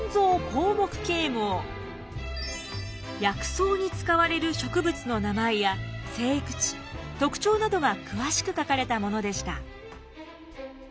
薬草に使われる植物の名前や生育地特徴などが詳しく書かれたものでした。